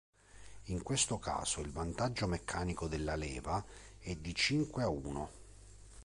In questo caso il vantaggio meccanico della leva è di cinque a uno.